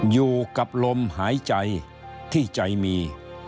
อยู่กับลมหายใจที่ใจมี